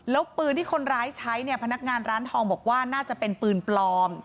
แล้วปืนที่คนร้ายใช้เนี่ยพนักงานร้านทองบอกว่าน่าจะเป็นปืนปลอม